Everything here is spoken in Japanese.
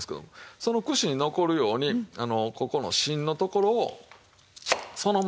その櫛に残るようにここの芯のところをそのままね。